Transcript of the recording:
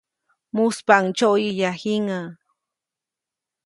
Mujspaʼuŋ ndsyoʼyäya jiŋäʼ.